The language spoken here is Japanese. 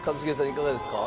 いかがですか？